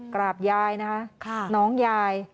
กราบยายนะคะน้องยาย